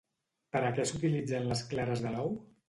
Per a què s'utilitzen les clares de l'ou?